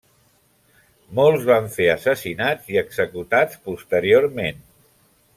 Molts va fer assassinats i executats posteriorment.